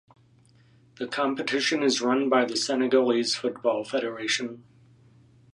The competition is run by the Senegalese Football Federation.